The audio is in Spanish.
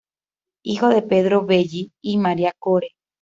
Hijo de Pedro Belli y María Core.